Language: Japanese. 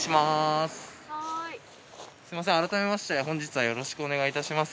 すみません改めまして本日はよろしくお願いいたします。